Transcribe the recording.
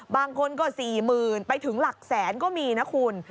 บางคนก็๔๐๐๐ไปถึงหลักแสนก็มีนะคุณ